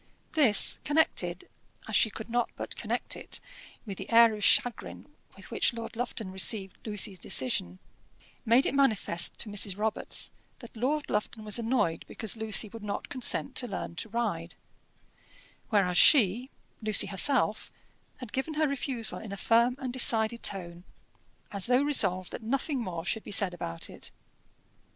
This connected, as she could not but connect it, with the air of chagrin with which Lord Lufton received Lucy's decision, made it manifest to Mrs. Robarts that Lord Lufton was annoyed because Lucy would not consent to learn to ride; whereas she, Lucy herself, had given her refusal in a firm and decided tone, as though resolved that nothing more should be said about it.